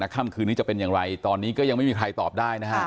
ค่ำคืนนี้จะเป็นอย่างไรตอนนี้ก็ยังไม่มีใครตอบได้นะฮะ